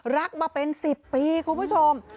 รักมาเป็น๑๐ปีคุณผู้ชม